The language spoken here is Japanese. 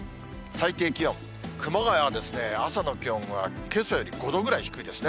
最低気温、熊谷は朝の気温はけさより５度ぐらい低いですね。